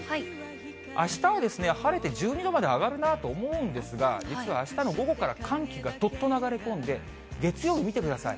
あしたは晴れて１２度まで上がるなと思うんですが、実はあしたの午後から寒気がどっと流れ込んで、月曜見てください。